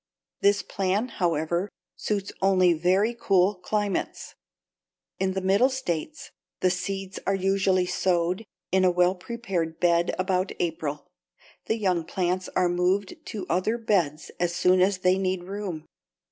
This plan, however, suits only very cool climates. In the middle states the seeds are usually sowed in a well prepared bed about April. The young plants are moved to other beds as soon as they need room.